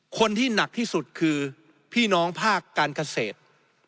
คนที่หนักที่สุดคือพี่น้องภาคการเกษตร